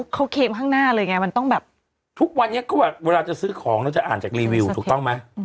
เขาเคมข้างหน้าเลยไงมันต้องแบบทุกวันนี้ก็แบบเวลาจะซื้อของเราจะอ่านจากรีวิวถูกต้องไหม